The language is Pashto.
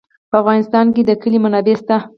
په افغانستان کې د کلي منابع شته.